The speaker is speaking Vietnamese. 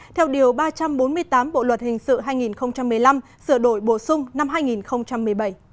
theo điều ba trăm bốn mươi tám bộ luật hình sự hai nghìn một mươi năm sửa đổi bổ sung năm hai nghìn một mươi bảy